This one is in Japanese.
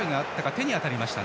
手に当たりました。